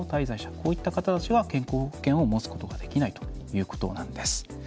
こういった方たちは健康保険を持つことができないということなんです。